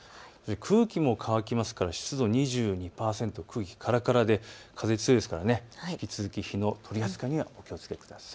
空気も乾きますから湿度２２％、空気からからで風が強いですから火の取り扱いにはお気をつけください。